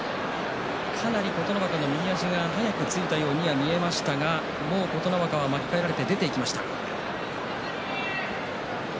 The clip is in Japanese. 琴ノ若の足が先についたように見えましたが琴ノ若は巻き替えられて出ていきました。